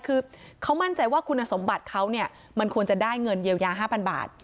คือเขามั่นใจว่าคุณสมบัติเขาเนี่ยมันควรจะได้เงินเยียวยา๕๐๐บาท